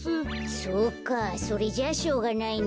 そうかそれじゃあしょうがないね。